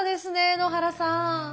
野原さん。